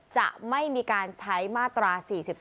จะไม่มีการใช้มาตรา๔๔